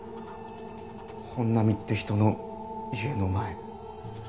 本並って人の家の前。